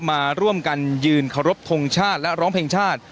มาร่วมกันยืนเคารพทงชาติและร้องเพลงชาติ